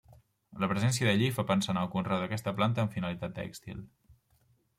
La presència de lli fa pensar en el conreu d'aquesta planta amb finalitat tèxtil.